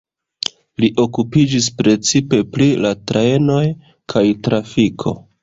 Li okupiĝis precipe pri la trajnoj kaj trafiko.